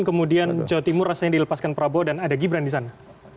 kemudian jawa timur rasanya dilepaskan prabowo dan ada gibran di sana